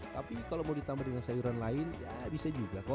tapi kalau mau ditambah dengan sayuran lain ya bisa juga kok